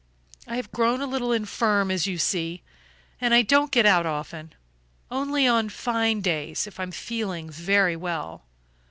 I have grown a little infirm, as you see, and I don't get out often; only on fine days, if I am feeling very well.